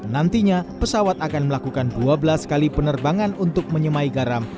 nantinya pesawat akan melakukan dua belas kali penerbangan untuk menyemai garam